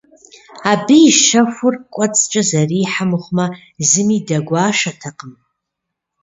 Абы и щэхур кӀуэцӀкӀэ зэрихьэ мыхъумэ, зыми дэгуэшатэкъым.